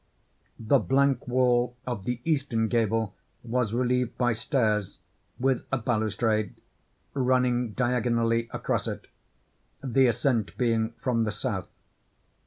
The blank wall of the eastern gable was relieved by stairs (with a balustrade) running diagonally across it—the ascent being from the south.